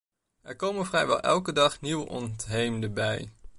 Er komen vrijwel elke dag nieuwe ontheemden bij.